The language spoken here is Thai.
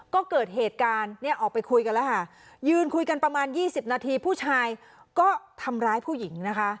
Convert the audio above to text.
ก็เกิดเหตุการณ์เนี่ยออกไปคุยกันแล้วค่ะยืนคุยกันประมาณยี่สิบนาทีผู้ชายก็ทำร้ายผู้หญิงนะคะ